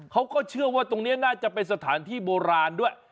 เขาก็เชื่อว่าตรงนี้น่าจะเป็นสถานที่โบราณด้วย